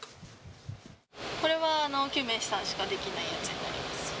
これは、救命士さんしかできないやつになります。